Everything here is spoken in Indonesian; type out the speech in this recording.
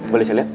boleh saya liat